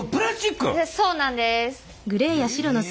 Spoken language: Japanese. そうなんです。